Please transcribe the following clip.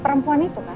perempuan itu kan